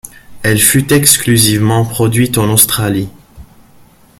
Elle fut exclusivement produite en Australie.